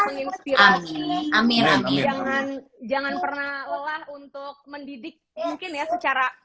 menginspirasi amin rabi jangan jangan pernah lelah untuk mendidik mungkin ya secara